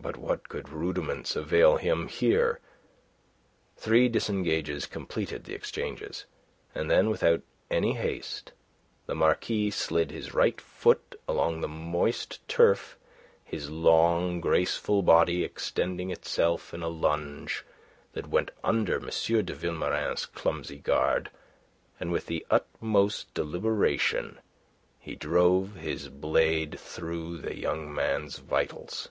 But what could rudiments avail him here? Three disengages completed the exchanges, and then without any haste the Marquis slid his right foot along the moist turf, his long, graceful body extending itself in a lunge that went under M. de Vilmorin's clumsy guard, and with the utmost deliberation he drove his blade through the young man's vitals.